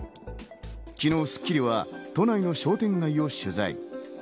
昨日『スッキリ』は都内の商店街を取材。